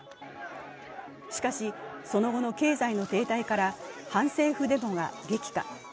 しかし、その後の経済の停滞から反政府デモが激化。